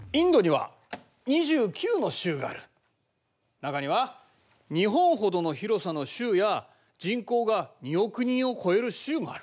中には日本ほどの広さの州や人口が２億人を超える州もある。